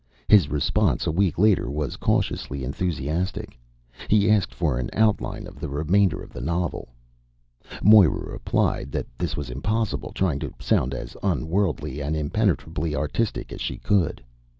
His response, a week later, was cautiously enthusiastic. He asked for an outline of the remainder of the novel. Moira replied that this was impossible, trying to sound as unworldly and impenetrably artistic as she could.